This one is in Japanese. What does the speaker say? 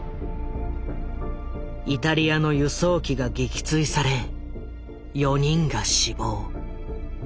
イタリアの輸送機が撃墜され４人が死亡。